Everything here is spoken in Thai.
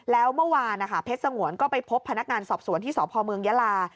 แล้วเมื่อวานนะคะเพชรสงวนก็ไปพบพนักงานสอบสวนที่สพเมืองยาลา